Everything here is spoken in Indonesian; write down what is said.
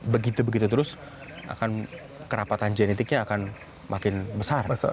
begitu begitu terus akan kerapatan genetiknya akan makin besar